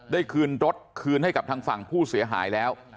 คืนรถคืนให้กับทางฝั่งผู้เสียหายแล้ว